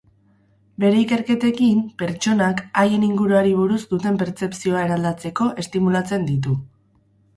Bere ikerketekin, pertsonak haien inguruari buruz duten perzeptzioa eraldatzeko estimulatzen ditu.